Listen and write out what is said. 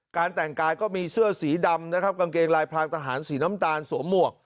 แต่งกายก็มีเสื้อสีดำนะครับกางเกงลายพรางทหารสีน้ำตาลสวมหมวก